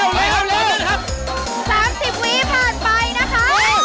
๓๐วิมันผ่านไปนะคะ